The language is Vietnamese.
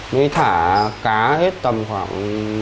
mới thả cá hết tầm khoảng